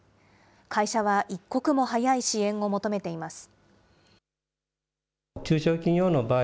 会社は一刻も早い支援を求めています。